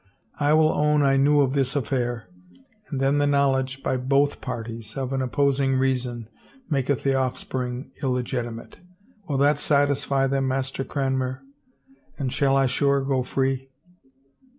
I will own I knew of this affair, and then the knowledge, by both parties, of an opposing reason, maketh the offspring illegitimate. Will that satisfy them. Master Cranmer? And shall I sure go free